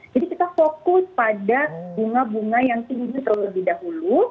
jadi kita fokus pada bunga bunga yang tinggi terlebih dahulu